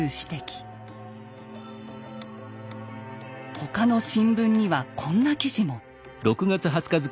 他の新聞にはこんな記事も。